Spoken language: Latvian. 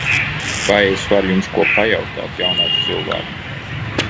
Vai es varu jums ko pajautāt, jaunais cilvēk?